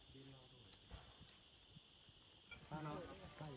ไม่เอาแต่แบบนี้